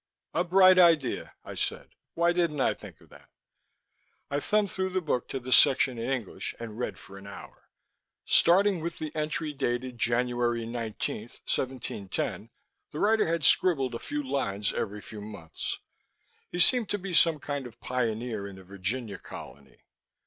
"A bright idea," I said. "Why didn't I think of that?" I thumbed through the book to the section in English and read for an hour. Starting with the entry dated January 19, 1710, the writer had scribbled a few lines every few months. He seemed to be some kind of pioneer in the Virginia Colony.